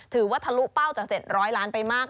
ทะลุเป้าจาก๗๐๐ล้านไปมาก